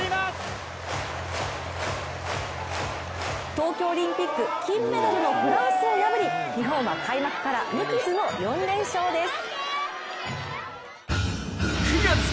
東京オリンピック金メダルのフランスを破り日本は開幕から無傷の４連勝です。